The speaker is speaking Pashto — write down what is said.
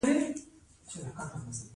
موږ باید دا میراث وساتو.